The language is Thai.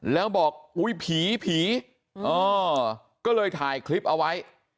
แล้วบอกอุ๊ยผีผีก็เลยถ่ายคลิปเอาไว้